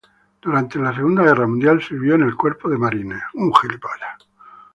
Durante la Segunda Guerra Mundial sirvió en el Cuerpo de Marines.